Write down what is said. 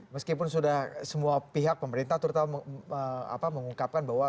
meskipun sudah semua pihak pemerintah terutama mengungkapkan bahwa